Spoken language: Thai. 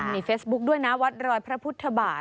มีเฟซบุ๊คด้วยนะวัดรอยพระพุทธบาท